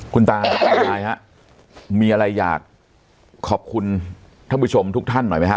คุณตาคุณยายฮะมีอะไรอยากขอบคุณท่านผู้ชมทุกท่านหน่อยไหมฮะ